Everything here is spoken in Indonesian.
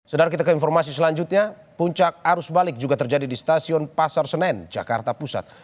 sedang kita ke informasi selanjutnya puncak arus balik juga terjadi di stasiun pasar senen jakarta pusat